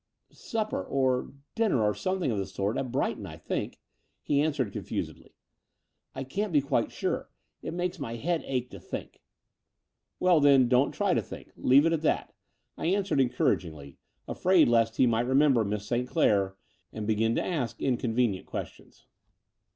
"Supper, or dinner, or something of the sort — ^at Brighton, I think," he answered confusedly. "I can't be quite sure. It makes my head ache to think." "Well then, don't try to think; leave it at that," I answered encouragingly, afraid lest he might remember Miss St. Clair and begin to ask incon 174 Th® Door of the Unreal venient questions.